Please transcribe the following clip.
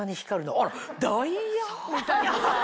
あらダイヤ？」みたいなさ。